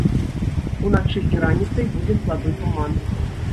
Уначы і раніцай будзе слабы туман.